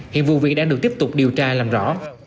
hiện vụ viện đã được tiếp tục điều tra làm rõ